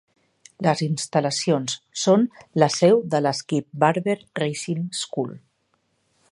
Les instal·lacions són la seu de la Skip Barber Racing School.